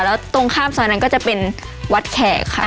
แล้วตรงข้ามซอยนั้นก็จะเป็นวัดแขกค่ะ